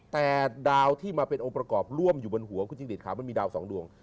แต่ดาวที่มาเป็นองค์ประกอบร่วมอยู่บนหัวคุณจิ้งหลีดขาวมันมีดาวสองดวง